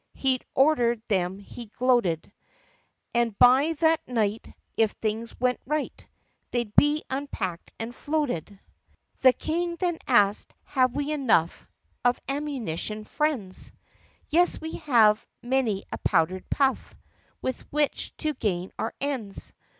He'd ordered them, he gloated, And by that night, if things went right, They 'd be unpacked and floated ! THE PUSSYCAT PRINCESS The King then asked, ' Have we enough Of ammunition, friends?" "Yes, we have many a powder puff With which to gain our ends.